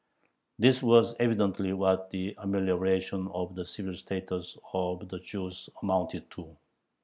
This was evidently what "the amelioration of the civil status" of the Jews amounted to.